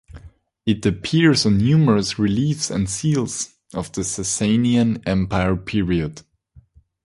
It appears on numerous reliefs and seals of the Sasanian Empire period.